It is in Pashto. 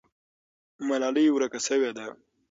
ملالۍ ورکه سوې ده.